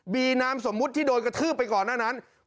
นามสมมุติที่โดนกระทืบไปก่อนหน้านั้น